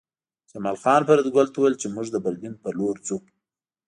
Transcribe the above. جمال خان فریدګل ته وویل چې موږ د برلین په لور ځو